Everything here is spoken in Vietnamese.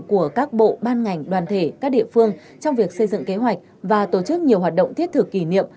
của các bộ ban ngành đoàn thể các địa phương trong việc xây dựng kế hoạch và tổ chức nhiều hoạt động thiết thực kỷ niệm